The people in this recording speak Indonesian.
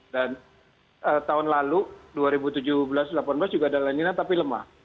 dan tahun lalu dua ribu tujuh belas dua ribu delapan belas juga ada lanina tapi lemah